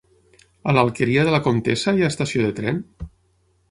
A l'Alqueria de la Comtessa hi ha estació de tren?